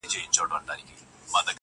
o د هجرت غوټه تړمه روانېږم.